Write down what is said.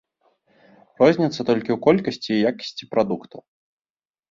Розніца толькі ў колькасці і якасці прадуктаў.